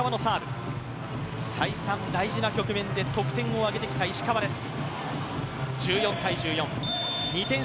再三、大事な局面で得点を挙げてきた石川です。